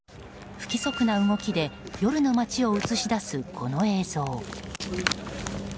不規則な動きで夜の街を映し出すこの映像。